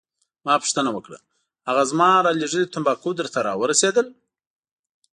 ما پوښتنه وکړه: هغه زما رالیږلي تمباکو درته راورسیدل؟